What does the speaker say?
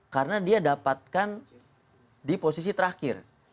karena dia dapatkan di posisi terakhir